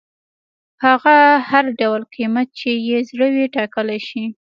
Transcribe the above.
هغه هر ډول قیمت چې یې زړه وي ټاکلی شي.